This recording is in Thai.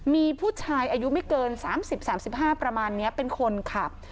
มีผู้ชายอายุไม่เกิน๓๐๓๕ประมาณนี้เป็นคนขับ